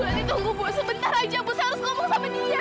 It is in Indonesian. tante tunggu tante sebentar saja tante saya harus ngomong sama dia